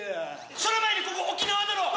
その前に、ここ沖縄だろ。